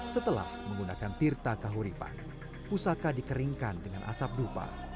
setelah menggunakan tirta kahuripan pusaka dikeringkan dengan asap dupa